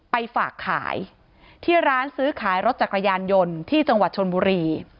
ไปฝากขายที่ร้านซื้อขายรถจักรยานยนต์ที่จังหวัดชนบุรี